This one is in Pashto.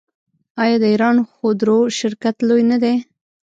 آیا د ایران خودرو شرکت لوی نه دی؟